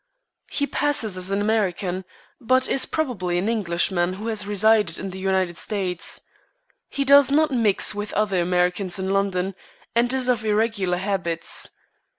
He passes as an American, but is probably an Englishman who has resided in the United States. He does not mix with other Americans in London, and is of irregular habits.